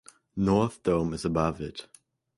North Dome is above it.